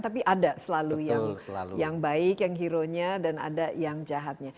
tapi ada selalu yang baik yang heronya dan ada yang jahatnya